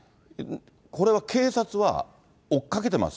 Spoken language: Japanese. これは警察は追っかけてます？